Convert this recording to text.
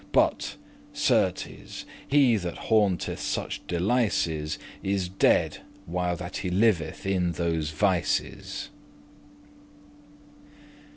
But, certes, he that haunteth such delices Is dead while that he liveth in those vices.